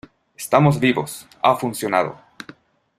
estamos vivos. ha funcionado .